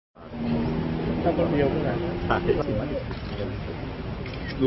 ทางรถอีก๙โลกค่านเดียว